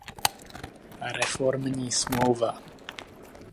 Reformní smlouva.